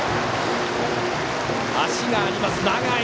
足があります、永井。